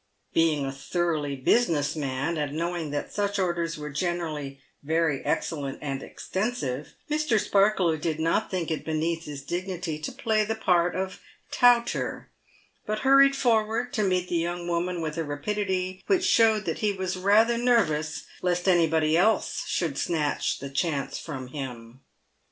Being a thoroughly business man, and knowing that such orders were generally very excellent and exten sive, Mr. Sparkler did not think it beneath his dignity to play the part of touter, but hurried forward to meet the young woman with a rapidity which showed that he was rather nervous lest anybody else should snatch the chance from him.